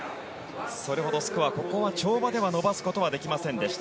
それほどスコア、跳馬では伸ばすことできませんでした。